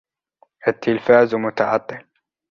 التلفاز متعطل.